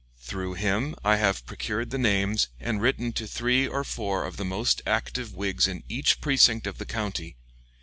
Through him I have procured the names and written to three or four of the most active Whigs in each precinct of the county.